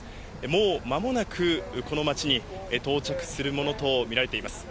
もうまもなくこの町に到着するものと見られています。